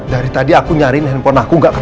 dari tadi aku nyariin handphone andin